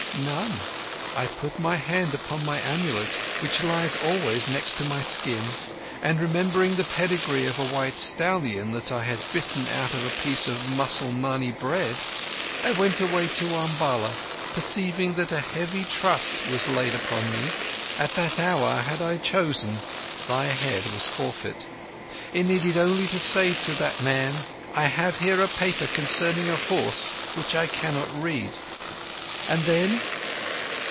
"None. I put my hand upon my amulet, which lies always next to my skin, and, remembering the pedigree of a white stallion that I had bitten out of a piece of Mussalmani bread, I went away to Umballa perceiving that a heavy trust was laid upon me. At that hour, had I chosen, thy head was forfeit. It needed only to say to that man, 'I have here a paper concerning a horse which I cannot read.' And then?"